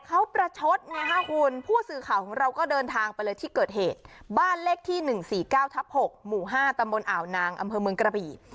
เขาประชดไงฮะคุณผู้สื่อข่าวของเราก็เดินทางไปเลยที่เกิดเหตุบ้านเลขที่๑๔๙ทับ๖หมู่๕ตำบลอ่าวนางอำเภอเมืองกระบี่